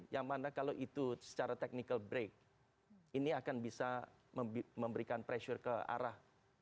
yang mana kalau itu secara technical break ini akan bisa memberikan pressure ke arah